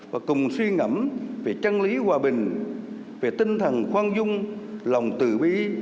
và cùng suy ngẩm về chăn lý hòa bình về tinh thần khoan dung lòng tự bi